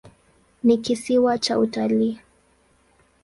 Ni kisiwa cha utalii.